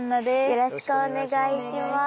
よろしくお願いします。